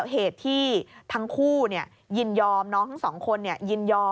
เหตุที่ทั้งคู่ยินยอมน้องทั้งสองคนยินยอม